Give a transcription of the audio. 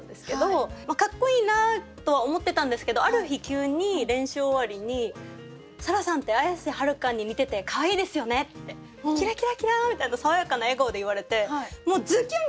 かっこいいなとは思ってたんですけどある日急に練習終わりに「沙羅さんって綾瀬はるかに似てて可愛いですよね」ってキラキラキラ！みたいな爽やかな笑顔で言われてもうズキュン！